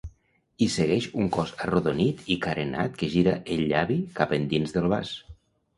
Hi segueix un cos arrodonit i carenat que gira el llavi cap endins del vas.